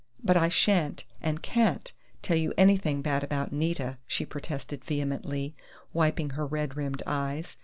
"But I shan't and can't tell you anything bad about Nita!" she protested vehemently, wiping her red rimmed eyes.